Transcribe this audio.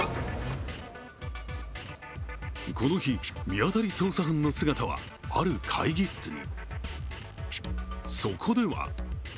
この日、見当たり捜査班の姿はある会議室に。